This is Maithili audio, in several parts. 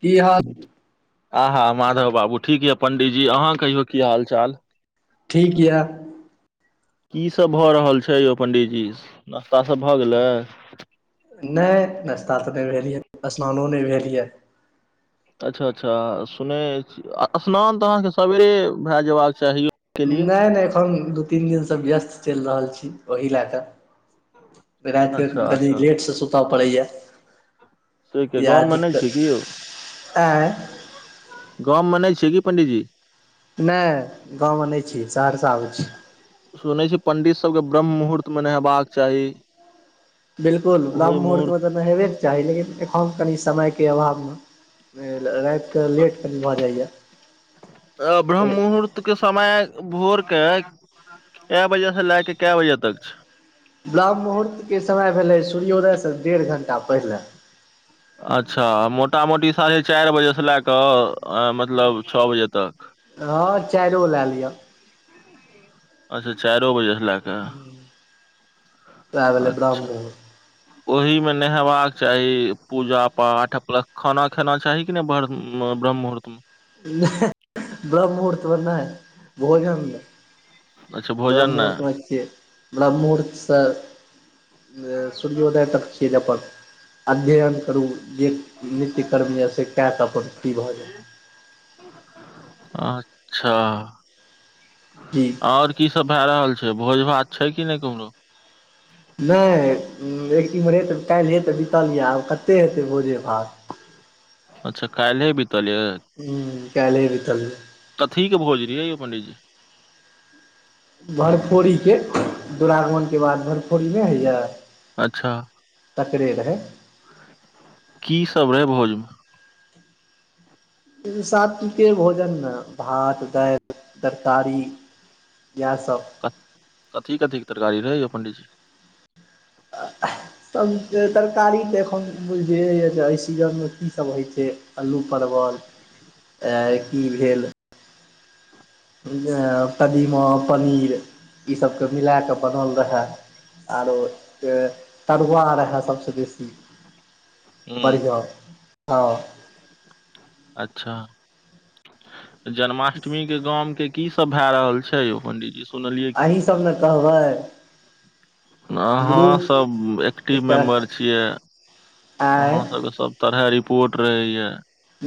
की हाल आहा माधव बाबू ठीक यए पण्डीजी अहाँ कहियौ की हाल चाल ठीक यऽ की सब भ रहल छै यौ पंडीजी नास्ता सब भ गेलै नहि नाश्ता तऽ नहि भेल यऽ स्नानो नहि भेल यऽ अच्छा अच्छा सुनै छी स्नान तऽ अहाँके सबेरे भए जयबाक चाहीयौ नहि नहि एखन दू तीन दिनसँ व्यस्त चलि रहल छी ओहि लए कऽ रातिके अच्छा कनि अच्छा लेटसँ सुतय पड़ैए से के गाँव यैह मे नहि छै की दिक्कत ऐं गाँवमे नहि छियै की पंडीजी नहि गाँवमे नहि छी सहरसा अबैत छी सुनै छी पण्डित सबके ब्रह्म मुहूर्त मे नहेबाक चाही बिलकुल ब्राम्म ओहि मुहूर्तमे मुहूर्त तऽ नहेबेके चाही लेकिन एखन कनि समयके अभावमे रातिकऽ लेट कनी भऽ जाइया देखियो समय भोर के कए बजे से लए कए बजे तक छै ब्रह्ममुहूर्तके समय भेलै सूर्योदयसँ डेढ़ घण्टा पहिले अच्छा मोटा मोटी साढ़े चारि बजेसँ लए कऽ अ मतलब छओ बजे तक हँ चायरो लए लिअ अच्छा चारो बजे लेक वएह भेलै अच्छा ब्राह्मण ओहि मे नहेबाक चाही पूजा पाठ प्लस खाना खेना चाहि एखने ब्रह्ममुहूर्त मे नहि ब्रह्ममुहूर्त नहि भोजन अच्छा भोजन ब्रह्ममुहर्त मे नहि केए ब्रह्ममुहूर्त सँ सूर्योदय तक छी अपन अध्ययन करू जे नित्य्यकर्म यऽ से कए कऽ अपन फ्री भऽ जाउ अच्छा जी आओर की सब भए रहल छै भोज भात छै कि नहि केमरो नहि एक हिमहर रे तऽ काल्हिे तऽ बीतल यऽ आब कते हेतै भोजे भात अच्छा कालिह बित हुँ कालिह बितल या कथिकें भोज रहीै यौ पणडित जी भरफोरीके दु्वरागमनके बाद भरफोरी नहि होइए अच्छा तकरे रहै की सब रहै भोजमे सात्विक कें भोजन रहै भात दालि तरकारी इहासब क कथी कथीके तरकारी रहै यौ पण्डीजी आ हें तब तरकारी तऽ एखन बुझियैए जे एहि सीजनमे कीसभ होइ छै अलू परवल आ की भेल जे कदीमा पनीर ईसभके मिलाए कऽ बनल रहय आरो तरुआ रहै सबसे बेसी हूँ बढ़िआँ हँ अच्छा जन्माष्टमी के गाम के की सब भए रहल छै यौ पंडी जी सुनलियै अहीं सब ने कहबै अहाँ ग्रुप सब एक्टिव एकटा मेम्बर छियै आँय अहाँ सबके सब तरह रिपोर्ट रहे ये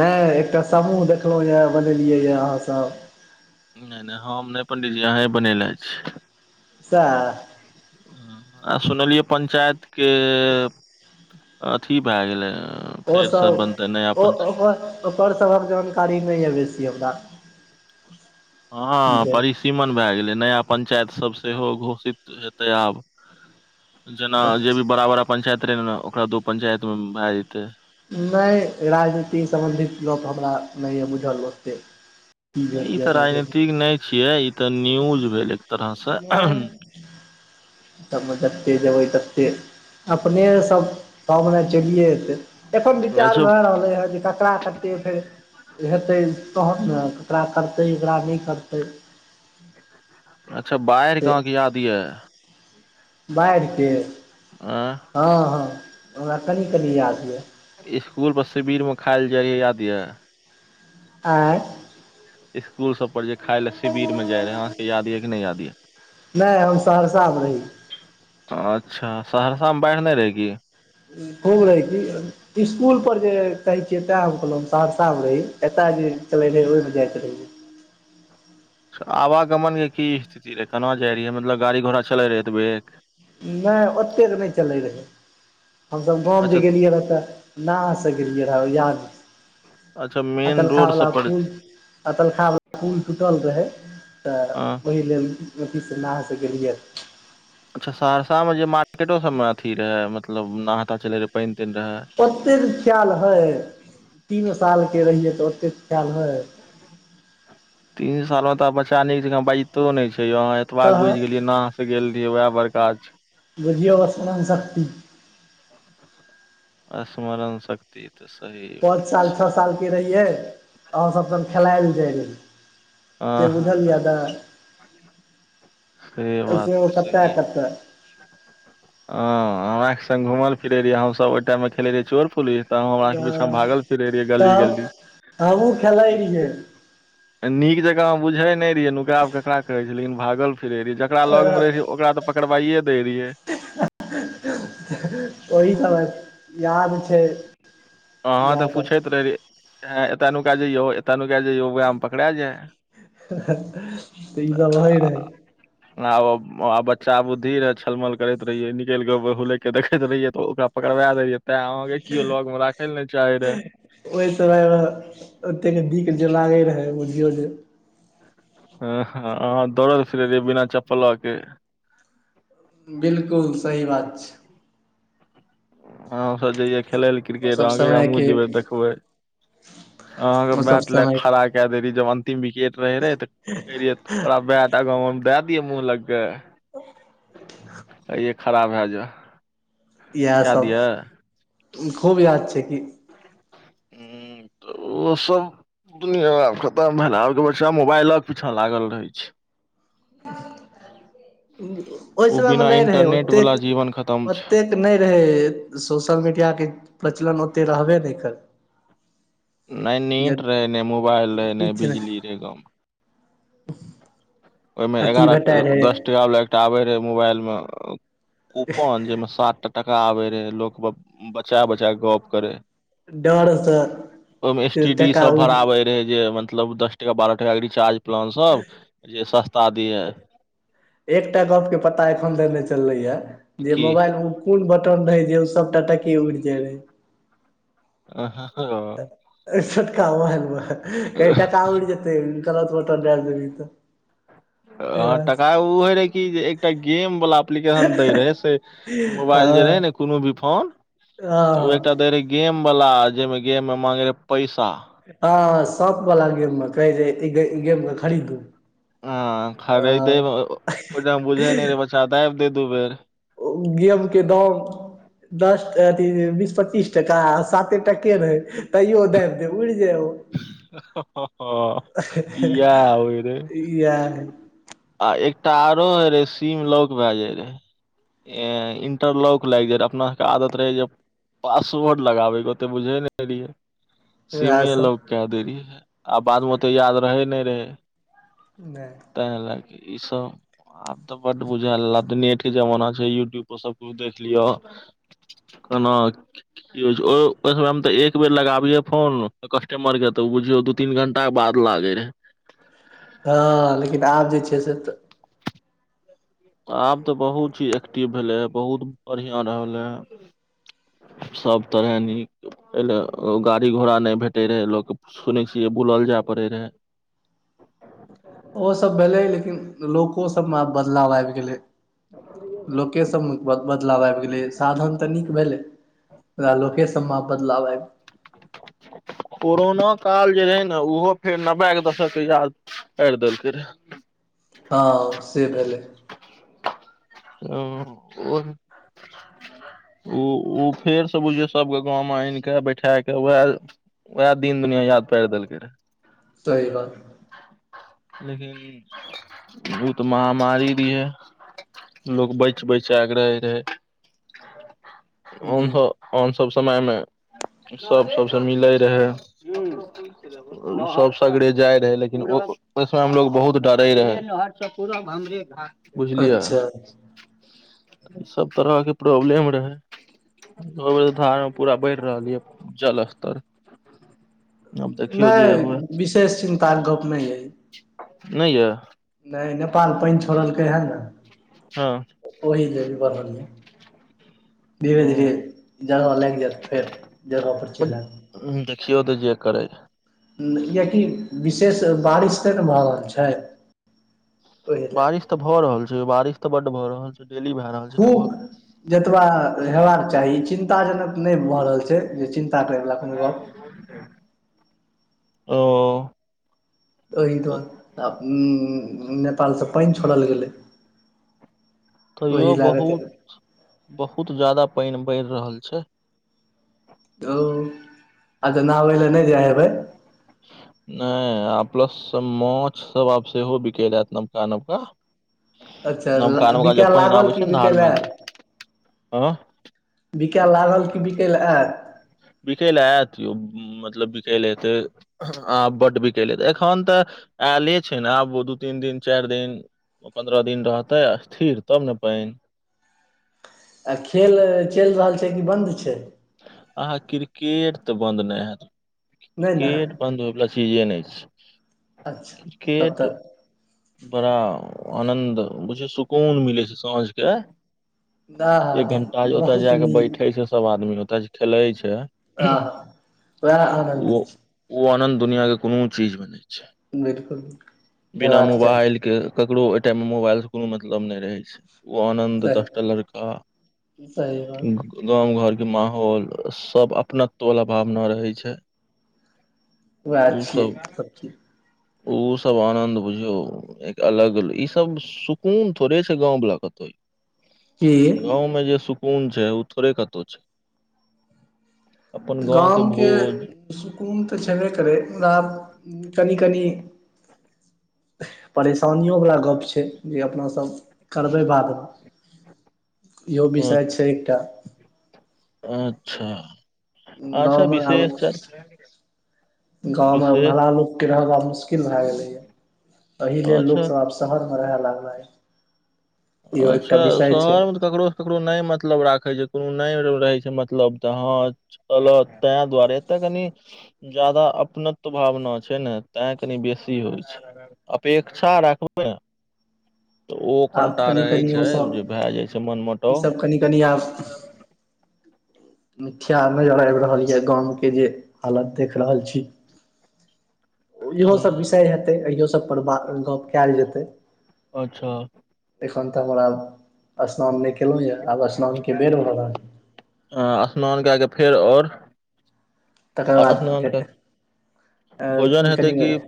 नहि एकटा समूह देखलहुँ ये बनेलियै यए अहाँसभ नहि नहि हम नहि पण्डीजी अहीँ बनेने छी सेह आ सुनलियै पंचायत के अथी भए गेलै फेरसँ बनतै नया ओसभ ओ पंच ओकर ओकरसभक जानकारी नहि यए बेसी हमरा की हँ भेल परिसीमन भए गेलै नया पंचायत सब सेहो घोषित हेतै आब जेना जे भी बड़ा बड़ा पंचायत रहे ने ओकरा दू पंचायत मे भए जेतै नहि राजनीति सम्बन्धित गप हमरा नहि यए बुझल ओतेक की नहि भेल ई यए तऽ भेल राजनीतिक नहि छियै ई तऽ न्यूज भेल तरह से नहिं [unintelligible] तबमे जतेक जेबै ततेक अपनेसभ पाममे चलिए जेतै एखन विचार भए अच्छा रहलें हें जे ककरा कतेक फेर हेतै तहन ने ककरा करतै एकरा नहि करतै अच्छा बाढ़िके से अहाँके याद यऽ बाढ़िके हँ हँ हमरा कनि कनि याद यऽ सुकूल पर शिविर में खायल जाय रयै याद यऽ आं स्कूल सब पर जे खााय लए शिवर मे जा रहै अहाँके याद यऽ कि नहि याद यऽ नहि हम सहरसामे रही अच्छा सहरसामे बाढ़ि नहि रहै कि खुब रहै की स्कूल पर जे कहै छियै तैँ हम कहलहुँ हम सहरसामे रही एतय जे चलैत रहै ओहिमे जाइत रहहियै आवागमनके की स्थिति रहै केना जाइत रहियै मतलब गाड़ी घोड़ा चलैत रहै एतबे नहि ओतेक नहि चलै रहै हाम सभ गाँव जे अच्छा गेलियै रह तऽ नाव से गेलियै रहए याद अच्छा मेन अकलखा रोड वला सब पर फूल आ तलखाावला पुल टूटल रहै तऽ अ ओहि लेल नदि गेल इ अच्छा सहरसा में जे मार्केटों सबमें अथी रहै मतलब नहताा चलैत रहै पानि तानि रहै ओतेक खिआल हइ तीन सालके रहियै तऽ ओतेक खिआल हइ तीन साल मे तऽ बच्चा नीक छै बाजितो नहि छै आहा एते एतबा तऽ बुझि गेलियै नाव से गेल रहियै वएह बड़का छै बुझियौ स्मरण शक्ति स्मरण शक्ति ते तऽ सही पाँच बात साल छौ सालके रहियै अहाँसभ त खेलाय ल जाइत रहियै हँ ते हँ बुझलिए हँ न से बात तऽ सही कतऽ ह हमरा के संग घुमल फिरे रयै हम आहू सब गोटा मे खेले रहियै चोर पुलिस सब हमरा पीछा भागल फिरे रहियै गली तब गली हमहूँ खेलै रहियै नीक जकाँ बुझै नहि रहियै नुकाब केकरा कहै छै लेकिन भागल फिरै रहि जखन ओकरा लौग मे रहहिय ओकरा तऽ पकड़बइे दै रहियै ओहि ठामक सब याद छै अहाँ इएह तऽ सब पूछैत रहहि ह एतय नुका जइयो एतौ नुका जैयौ उहै मे पकरा जाइ तऽ ई सब होइ रहै बच्चा बुद्धि रहै छलमल करैत रहिये निकलि हुले के देखैत रहियै त ओकरा पकड़ा दयै तें आह केओ लग मे राख राखेले नाहि चाहे रहेै ओहि समयमे ओतेक नीक जे लागै रहै बुझियौ जे हँ ह अहाँ दौड़ैत फिरे रहि बिना चप्पल लऽ के बिल्कुल सही बात छै हाम सब जइयए खेल लए ओ क्रिकेट सब अह हमहु समयके जेबे देखबे अहां के ओ सब बैट ले समय खड़ा के दे रहि जब अंतिम विकेट रहे रहे त कह रहियैरा बैट आगाँ मे दए दिय मुह लग के अय खरा भए जै इएह सब खूब याद छै कि हूँ ओ सब दुनिया खतम भेल आब के बच्चा मोबाइल के पीछा लागल रहे छै ओहि ओ समय मे बिना नहि रहै इंटरनेट वाला ओतेक जीवन खतम छै ओतेक नहि रहे सोशल मीडिया के प्रचलन ओते रहबे नहि करै नहि नीट रहे नहि मोबाइल रहे नहि बिजली रहे गाँव मे [unintelligible] ओमे अथी एगारह भेटाइ रहै दस टाकावला एकटा आबै रहै मोबाइलमे कूपन जैमे सात टा टाका आबै रहै लोक ब बचा बचा कऽ गप्प करै डरसँ ओमे से स्टी डी टका सब उड़ भराबे से जे मतलब दस टका बारह टका के रिचार्ज प्लान सब जे सस्ता दिय एकटा गप के पता एखन दे नहि चलले ये जे की मोबाइल म् कुन बटन रहे जे ओ सबटा टके उड़ जाय रहे आं ह ह र एहि छोटक मोबाइल मे कहै टाका उङं जैते गलत बटन दाइब देबहिं त ह तका ओ होे रहै कि जे एकटा गेम वला एप्लीकेशन दै रहै से हँ कूनु भी फोन तऽ हँ ओ एकटा देै रहे गेम वला जाहिमे गेम मे मांगे रहे पैसा हँ साँप वला गेम मे कहै जे ईगे ई गेम मे कहै जे खरीदू हँ खरीदे ओहिठम बुझे नहि रहे बच्चा दबि दे दू बेर ओ गेमके दाम दस अथी बीस पच्चीस टका आ साते टके रहै तैयो दैब दे उड़ि जाय ओ येह होय रहै इयाह आ एकटा आरो होय रहे सीम लक भए जाय रहे एं इंटरलॉक लागि जाइ रहे अपना सभके आदत रहै जे पासवर्ड लगाबैके ओते बुझै नहि रहियै सीमे इएह सब लोक केय दै रहियै आ बादमे ओते याद रहै नहि रहै नै तै लाग ई सब आब तऽ बड बुझायल आ त नेट के जमाना छै यूट्यूब पर सबकछु देख लिय कना यूज हो छै अ ओहि समय तऽ एक बेर लगाबिये फोन कस्टमर के तऽ बुझियौ दुत तीन घण्टा के बाद लागै रहै हँ लेकिन आब जे छै से तऽ आब तऽ बहुत ही एक्टिव भेलै ह बहुत बढ़िया रहलै सब तरहें नीक ए लेय गाड़ी घोड़ा नहि भेटे रहै लोक सुनै छिय बुलल जाय पड़े रहै ओ सब भेलै लेकिन लोको सबमे आब बदलाव आबि गेलै लोके सब म वड बदलाव आबि गेलै साधन तऽ नीक भेलै ओरा लोके सबमे बदलाव आबि गेल कोरोना काल जे रहै ने उहो फेर नब्बेके दशक याद पेइर देलकै रहए हँ से भेलै अ ओ उ उ फेरसँ बुझियौ सभके गाँवमे आनि कऽ बैठा कऽ उएह वएह दीन दुनिया याद पयिर देलके रहै सही बात लेकिन इ भूत महामारी भी है लोक बैच बैच आगय रहे जी हमसब आन सभ समयमे सभ सभसँ मिलै रहै सब सगरे जाइ रहे लेकिन ओहिसमै में लोग बहुत डरे रहै बुझलियै अच्छा सब तरहके प्रॉब्लम रहै ओ धार मे पूरा बढ़ि रहल यऽ जल स्तर आब देखियौ जे हुए नहि विशेष चिन्ता के गप नहि हय नहि य नहि नेपाल पानि छोड़लकै हन ने हँ ओहि ल भी बढ़ल य धीरे धीरे जगह लागि जाएत फेर जगहपर चलि आएब हुँ देखियौ तऽ जे करै रहै यकि विशेष बारिश ते ने भए रहल छै ओहि लए बारिश तऽ भऽ रहल छै बारिश तऽ बड्ड भऽ रहल छै डेली भए रहल छै खूब लगभग जतबा हेबाक चाही चिन्ता जनक नहि भऽ रहल छै जे चिन ओ एहि दुआरे आ इम म्म नेपालसँ पैनि छोड़ल गेलै तैयो ओहि लागत बहुत ओ बहुत जदा पइन बढ़ रहल छै ओ अच्छा नहाबै लए नहि जा हेबै नहि आ प्लस मान्छ सब सहो बिकलय आयत नबका नबका [inaudible] अच्छा बिकाय लागल की ने बिकाय धार लय मे तऽ आयत हँ बिकाय लागल कि बिकै लए आयत बिके लए आयतयौ मतलब बिकेलए अतै आ बड्ड बिकेलय एतेय एखन तऽ आले छै ने आब दू तन दिन चारि दिन ओ पन्द्रह दिन रहतै स्थिर तब ने पानि आओर खेल चलि रहल छै कि बन्द छै अहाँ क्रिकेट तऽ बन्द नहि हैत नहि ने क्रिकेट बन्द होइ वला चीजे नहि छै अच्छा तब क्रिकेट तऽ बड़ा आनन्द बुझिय सुकून मिलैत छै साँझ के एक आहा घंटा ओतय बहुत जााक नीक बैठे छै सब आदमी ओतय खेलै छै आहा वएह आनन्द ओ छै ओ आनन्द दुनिआके कोनो चीजमे नहि छै बिल्कुल ना मोबाइल के ककरो ओहि टाइम मे मोबाइल से कोनो मतलब नहि रहे छै ओ आनन्द दसटा सही लड़का सही बात गाँव घरके माहौल सब अपनत्व वला भावना रहै छै वएह उ छियै सब चीज उ सब आनन्द बुझ एक अलग ई सब सुकून थोड़े छै गाँंवाला कतो की गाँवमे जे सुकून छै ओ थोड़े कतौ छै अपन गाँवके गाम के भोज सुकून तऽ छेबे करै मुदा आब कनि कनि परेशानिओ वला गप्प छै जे अपनासभ करबै बाद मऽ [inaudible] इहो विषय छै एकटा अच्छा गाँव अच्छा मऽ आब विशेष चर्चा गाँव मऽ विशेष भला लोक लोक के रहबा मुश्किल भए गेले ये एहि लेल अच्छा लोक सब आब शहर मे रहय लागलेय अच्छा छै शहर मे तऽ ककरो ककरो नहि मतलब राखै छै कोनो नहि रहै छै मतलब तऽ हँ कहलक तै द्वारे एतअ कनी जादा अपनत्व भावना छै ने तैय कनी बेसी होइ छै अपेक्षा राखबै तऽ ओ आब कनिटा रहै छै जे भए जाइ छै मन मऽ ई सब कनि कनि आब ख्याल नजर आबि रहल यऽ गाँव के जे हालत देख रहल छी इहोसभ हूँ विषय हेतै इहो सभपर बात गप्प कैल जेतै अच्छा एखन तऽ हमर आब स्नान नहि केलहुँ यए आब स्नान के बेर भ रहल स्नान कए केऽ फेर और तकर आ बाद स्नान फेर कैय के भोजन हेतै कि कनि